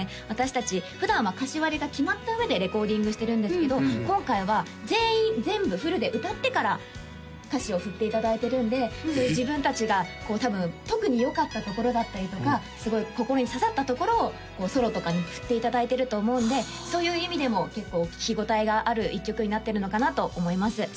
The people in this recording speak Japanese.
私達普段は歌詞割りが決まった上でレコーディングしてるんですけど今回は全員全部フルで歌ってから歌詞を振っていただいてるんで自分達がこう多分特によかったところだったりとかすごい心に刺さったところをソロとかに振っていただいてると思うんでそういう意味でも結構聴き応えがある１曲になってるのかなと思います